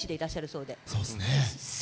そうですね。